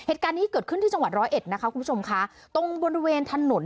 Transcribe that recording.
เหตุการณ์ที่เกิดขึ้นที่จังหวัดร้อย๑